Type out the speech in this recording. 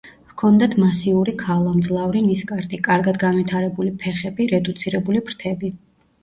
ჰქონდათ მასიური ქალა, მძლავრი ნისკარტი, კარგად განვითარებული ფეხები, რედუცირებული ფრთები.